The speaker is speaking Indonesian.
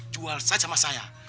jual saja sama saya